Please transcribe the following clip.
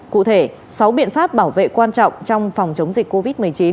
cụ thể sáu biện pháp bảo vệ quan trọng trong phòng chống dịch covid một mươi chín